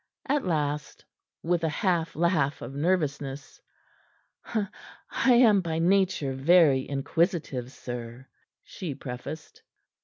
At last, with a half laugh of nervousness, "I am by nature very inquisitive, sir," she prefaced.